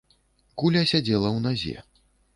Куля сядзела ў назе.